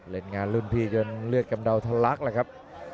เล่นงานรุ่นพี่จนเลือดกำดาวน์ทันลักษณ์เลยครับ